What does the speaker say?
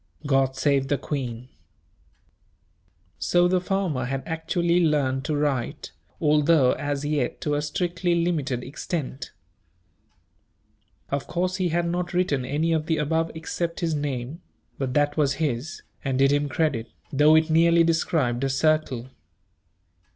God save the queen." So the farmer had actually learned to write, although as yet to a strictly limited extent. Of course he had not written any of the above except his name; but that was his, and did him credit, though it nearly described a circle.